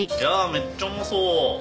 めっちゃうまそう。